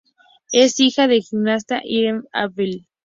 Es hija de la gimnasta Irene Abel.